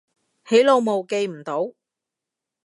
起腦霧記唔到